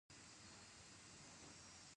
هغوی باید د شپاړسم ټولګي فارغان وي.